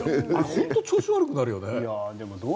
本当に調子が悪くなるよね。